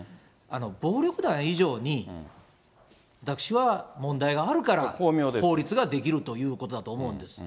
暴力団以上に、私は問題があるから、法律が出来るということだと思うんです。